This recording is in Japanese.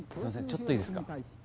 ちょっといいですか？